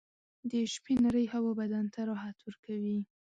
• د شپې نرۍ هوا بدن ته راحت ورکوي.